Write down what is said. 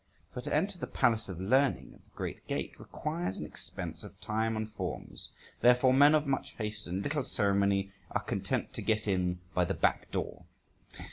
For to enter the palace of learning at the great gate requires an expense of time and forms, therefore men of much haste and little ceremony are content to get in by the back door.